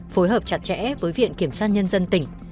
phối hợp chặt chẽ với viện kiểm sát nhân dân tỉnh